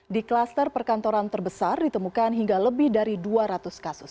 di kluster perkantoran terbesar ditemukan hingga lebih dari dua ratus kasus